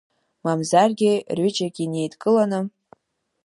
Мамзаргьы, рҩыџьагьы неидкыланы…